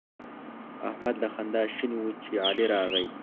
احمد له خندا شین وو چې علي راغی.